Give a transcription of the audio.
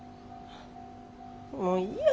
もういいや。